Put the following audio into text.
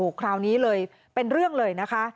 คราวนี้เลยเป็นเรื่องเลยนะคะ